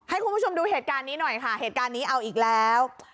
ให้คุณผู้ชมดูเหตุการณ์นี้หน่อยค่ะเหตุการณ์นี้เอาอีกแล้ว